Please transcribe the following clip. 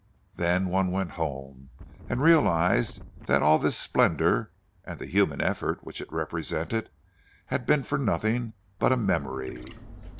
Then one went home, and realized that all this splendour, and the human effort which it represented, had been for nothing but a memory!